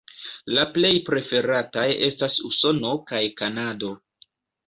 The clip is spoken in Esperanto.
La plej preferataj estas Usono kaj Kanado.